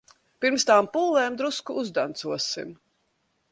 Pirms tām pūlēm drusku uzdancosim.